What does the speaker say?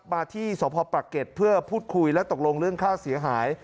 มาที่สพปรักเก็ตเพื่อพูดคุยและตกลงเรื่องค่าเสียหาย